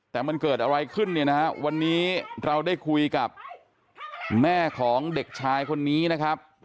แต่มันเกิดอะไรขึ้นเนี่ยนะฮะวันนี้เราได้คุยกับแม่ของเด็กชายคนนี้นะครับ